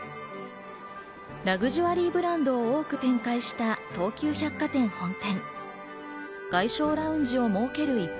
ラグジュアリーブランドを多く展開した、東急百貨店本店。